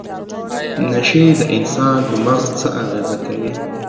نشې د انسان په مغز څه اغیزه کوي؟